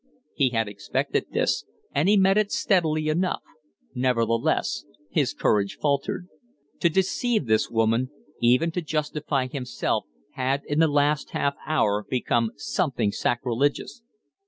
He had expected this, and he met it steadily enough; nevertheless his courage faltered. To deceive this woman, even to justify himself, had in the last halfhour become something sacrilegious.